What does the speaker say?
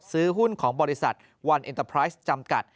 ซื้อหุ้นของบริษัทวันเอ็นเตอร์ไพรส์จำกัด